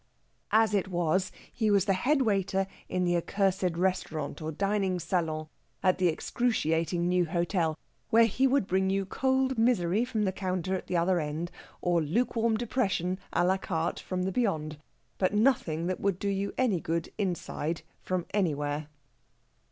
As it was, he was the head waiter in the accursed restaurant or dining salon at the excruciating new hotel, where he would bring you cold misery from the counter at the other end, or lukewarm depression à la carte from the beyond but nothing that would do you any good inside, from anywhere.